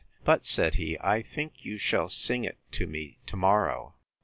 But, said he, I think you shall sing it to me to morrow.